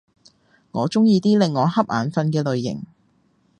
我鍾意啲令我瞌眼瞓嘅類型